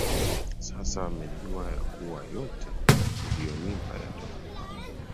Sasa wamejua ya kuwa yote uliyonipa yatoka kwako